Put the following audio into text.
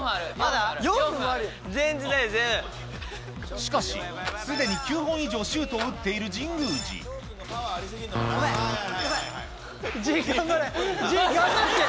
しかし既に９本以上シュートを打っている神宮寺ごめん！